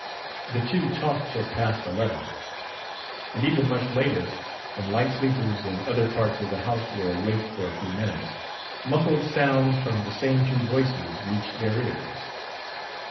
The two talked till past eleven; and even much later, when light sleepers in other parts of the house were awake for a few minutes, muffled sounds from the same two voices reached their ears.